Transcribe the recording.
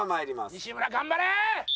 西村頑張れー！